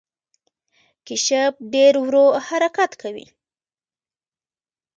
کیشپ ډیر ورو حرکت کوي